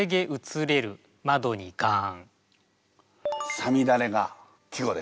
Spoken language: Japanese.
「五月雨」が季語ですか。